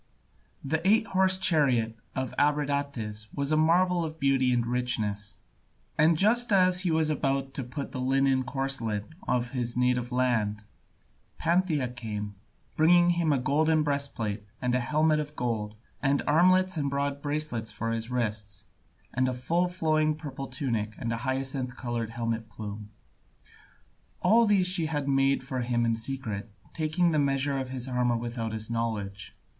The eight horse chariot of Abradatas was a marvel of beauty and richness; and just as he was about to put on the linen corslet of his native land, Pantheia came, bringing him a golden breastplate and a helmet of gold, and armlets and broad bracelets for his wrists, and a full flowing purple tunic, and a hyacinth coloured helmet plume. All these she had made for him in secret, taking the measure of his armour without his knowledge.